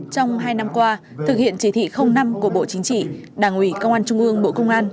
trong hai năm qua thực hiện chỉ thị năm của bộ chính trị đảng ủy công an trung ương bộ công an